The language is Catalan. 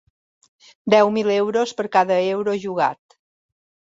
Deu mil euros per cada euro jugat.